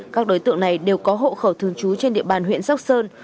các đối tượng này đều có hộ khẩu thường trú trên địa bàn huyện sóc sơn